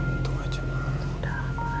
untung aja malam udah aman tuhan